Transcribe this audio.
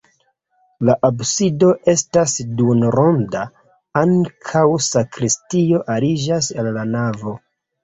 La absido estas duonronda, ankaŭ sakristio aliĝas al la navo.